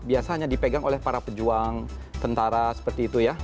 biasanya dipegang oleh para pejuang tentara seperti itu ya